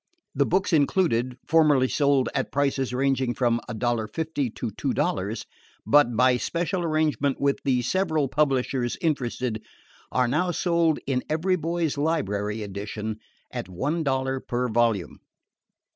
The books included, formerly sold at prices ranging from $1.50 to $2.00 but, by special arrangement with the several publishers interested, are now sold in the EVERY BOY'S LIBRARY Edition at $1.00 per volume.